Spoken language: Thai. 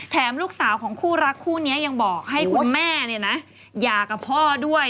ลูกสาวของคู่รักคู่นี้ยังบอกให้คุณแม่หย่ากับพ่อด้วย